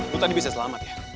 bu tadi bisa selamat ya